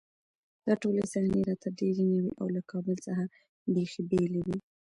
دا ټولې صحنې راته ډېرې نوې او له کابل څخه بېخي بېلې وې